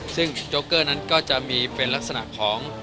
ซึ่งโจ๊เกอร์นั้นก็จะมีเป็นลักษณะของ